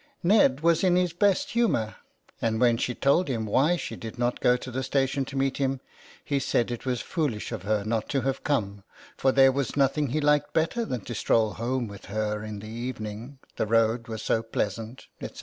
Ned was in his best 368 THE WILD GOOSE. humour, and when she told him why she did not go to the station to meet him, he said it was fooHsh of her not to have come, for there was nothing he liked better than to stroll home with her in the evening, the road was so pleasant, etc.